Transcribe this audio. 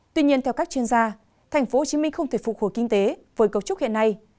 tuy nhiên theo các chuyên gia tp hcm không thể phục hồi kinh tế với cấu trúc hiện nay